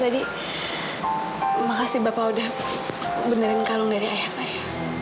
terima kasih bapak sudah benerin kalung dari ayah saya